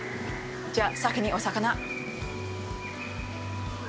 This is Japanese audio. じゃあ、先にお魚。